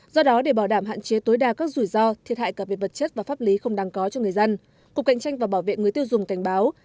do đó để bảo đảm hạn chế tối đa các rủi ro thiệt hại cả về vật chất và pháp lý không đáng có cho người dân cục cạnh tranh và bảo vệ người tiêu dùng cảnh báo